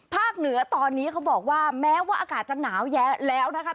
เหนือตอนนี้เขาบอกว่าแม้ว่าอากาศจะหนาวแแล้วนะคะ